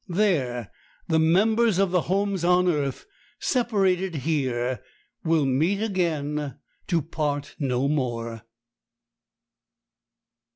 There the members of the homes on earth, separated here, will meet again, to part no more.